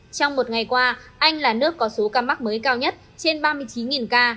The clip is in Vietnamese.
trong một ngày qua anh là nước có số ca mắc mới cao nhất trên ba mươi chín ca